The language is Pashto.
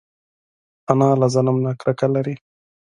انا له ظلم نه کرکه لري